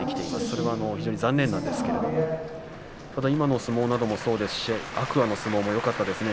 それは非常に残念なんですけどただ今の相撲などもそうですし天空海など相撲もよかったですね。